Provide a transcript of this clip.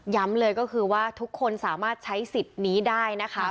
เลยก็คือว่าทุกคนสามารถใช้สิทธิ์นี้ได้นะคะ